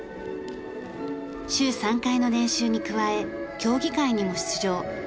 週３回の練習に加え競技会にも出場。